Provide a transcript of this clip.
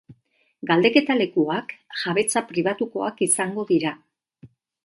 Galdeketa lekuak jabetza pribatukoak izango dira.